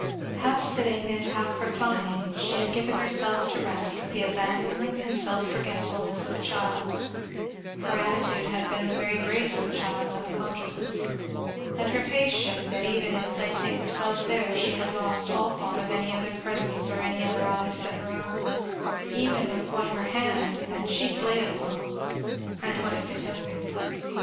Half sitting and half reclining, she had given herself to rest with the abandonment and self forgetfulness of a child; her attitude had the very grace of a child's unconsciousness; and her face shewed that even in placing herself there she had lost all thought of any other presence or any other eyes than her own; even of what her hand and cheek lay upon, and what it betokened.